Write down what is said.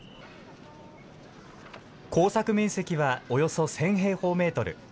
耕作面積はおよそ１０００平方メートル。